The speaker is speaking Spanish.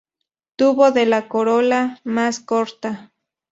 Tubo de la corola más corta.